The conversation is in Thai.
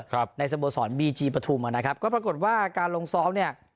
ครับในสโมสรบีจีปฐุมอ่ะนะครับก็ปรากฏว่าการลงซ้อมเนี่ย